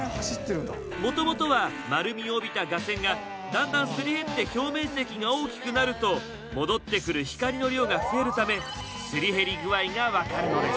もともとは丸みを帯びた架線がだんだんすり減って表面積が大きくなると戻ってくる光の量が増えるためすり減り具合が分かるのです。